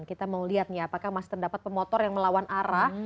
kita mau lihat nih apakah masih terdapat pemotor yang melawan arah